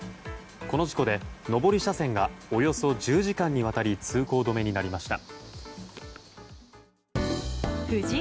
この事故で上り車線がおよそ１０時間にわたり通行止めになりました。